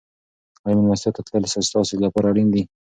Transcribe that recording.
آیا مېلمستیا ته تلل ستاسو لپاره اړین دي؟